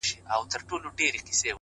صبر د هیلو د ونې ساتونکی دی،